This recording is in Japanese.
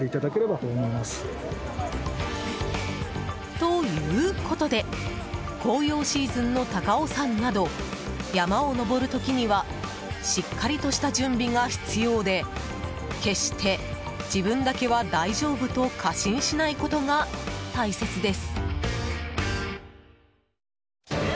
ということで紅葉シーズンの高尾山など山を登る時にはしっかりとした準備が必要で決して自分だけは大丈夫と過信しないことが大切です。